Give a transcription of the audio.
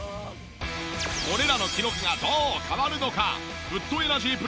これらの記録がどう変わるのか？